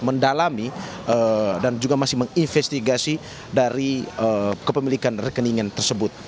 mendalami dan juga masih menginvestigasi dari kepemilikan rekeningan tersebut